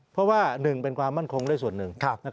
เพราะว่า๑เป็นความมั่นคงได้ส่วนหนึ่ง